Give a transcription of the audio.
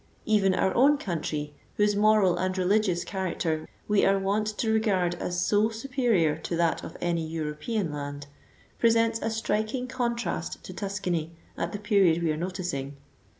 Even our own country, whose moral and religious character we are wont to regard as so superior to that of any European land, presents a striking contrast to Tuscany at the period we are noticing.